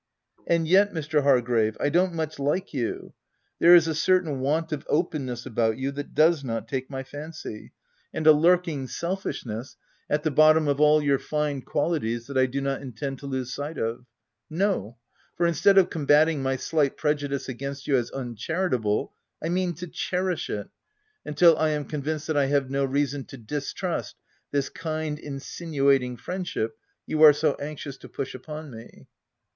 — And yet, Mr. Hargrave, I don't much like you • there is a certain want of openness about you that does not take my fancy, and a lurking 174 THE TENANT selfishness, at the bottom of all your fine quali ties, that I do not intend to lose sight of. No ; for, instead of combating my slight prejudice against you as uncharitable, I mean to cherish it, until I am convinced that I have no reason to distrust this kind, insinuating friendship you are so anxious to push upon me.